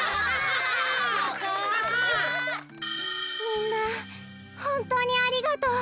みんなほんとうにありがとう。